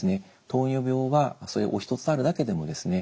糖尿病はおひとつあるだけでもですね